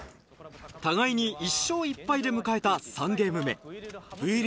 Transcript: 互いに１勝１敗で迎えた３ゲーム目ぶ